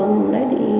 lấy phường lấy thì